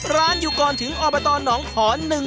ร้านอยู่ก่อนถึงอบตหนองขอน